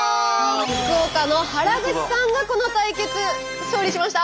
福岡の原口さんがこの対決勝利しました。